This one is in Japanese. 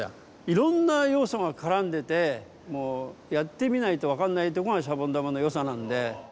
いろんなようそがからんでてもうやってみないとわかんないとこがシャボン玉のよさなんで。